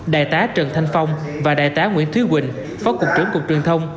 đại tá trần thanh phong và đại tá nguyễn thúy quỳnh phó cục trưởng cục truyền thông